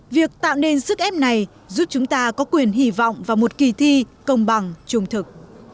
việc tạo nên sức ép này giúp chúng ta có quyền hy vọng vào một kỳ thi công bằng trung thực